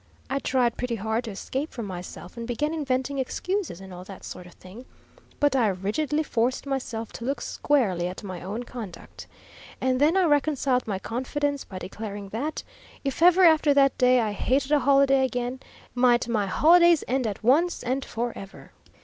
I tried pretty hard to escape from myself and began inventing excuses and all that sort of thing, but I rigidly forced myself to look squarely at my own conduct. And then I reconciled my confidence by declaring that, if ever after that day I hated a holiday again, might my holidays end at once and forever!